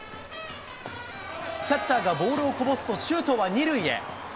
キャッチャーがボールをこぼすと、周東は２塁へ。